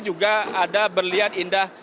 juga ada berlian indah